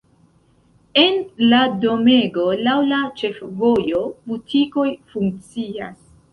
En la domego laŭ la ĉefvojo butikoj funkcias.